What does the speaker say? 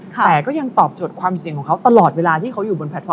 แต่ก็ยังตอบโจทย์ความเสี่ยงของเขาตลอดเวลาที่เขาอยู่บนแพลตฟอร์